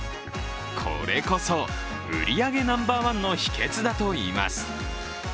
これこそ、売り上げナンバーワンの秘けつだといいます。